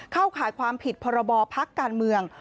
เข้าขายความผิดพระบอบภาคการเมือง